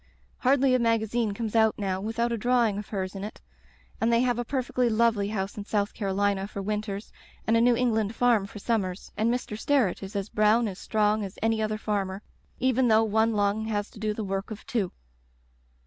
Hardly a magazine comes out now without a drawing of hers in it, and they have a perfectly lovely house in South Carolina for winters and a New Eng land farm for summers, and Mr, Sterret is as brown and strong as any other farmer, even though one lung has to do the work of two.